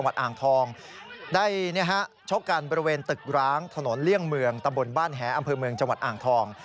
อ่างทองได้ชกกันบริเวณตึกร้างถนนเลี่ยงเมืองตำบลบ้านแหอำเภอเมืองจังหวัดอ่างทอง